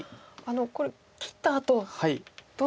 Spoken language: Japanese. これ切ったあとどうなるんですか。